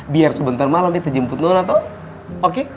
biar sebentar malem beta jemput nona tau oke